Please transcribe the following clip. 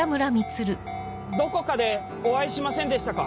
どこかでお会いしませんでしたか？